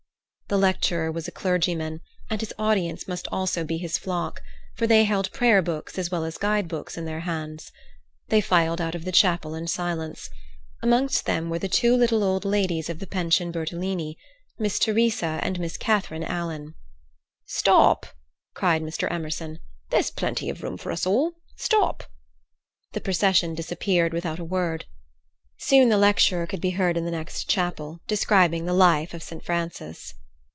The lecturer was a clergyman, and his audience must be also his flock, for they held prayer books as well as guide books in their hands. They filed out of the chapel in silence. Amongst them were the two little old ladies of the Pension Bertolini—Miss Teresa and Miss Catherine Alan. "Stop!" cried Mr. Emerson. "There's plenty of room for us all. Stop!" The procession disappeared without a word. Soon the lecturer could be heard in the next chapel, describing the life of St. Francis.